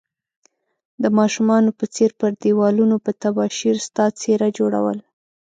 د ماشومانو په څير پر ديوالونو په تباشير ستا څيره جوړول